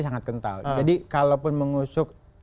sangat kental jadi kalaupun mengusuk